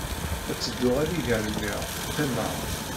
Ar ttedduɣ allig ṛmiɣ, qqimeɣ.